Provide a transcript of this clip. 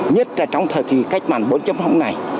nhất là trong thời kỳ cách mạng bốn trăm linh hôm nay